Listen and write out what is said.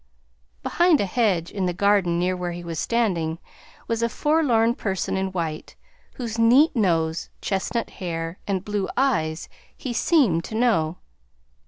Behind a hedge in the garden near where he was standing was a forlorn person in white, whose neat nose, chestnut hair, and blue eyes he seemed to know.